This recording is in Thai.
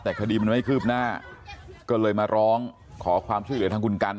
แต่คดีมันไม่คืบหน้าก็เลยมาร้องขอความช่วยเหลือทางคุณกัน